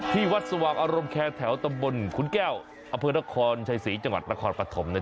ที่วัดสว่างอารมณ์แคร์แถวตำบลขุนแก้วอำเภอนครชัยศรีจังหวัดนครปฐม